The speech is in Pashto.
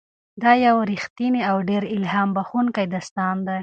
دا یو رښتینی او ډېر الهام بښونکی داستان دی.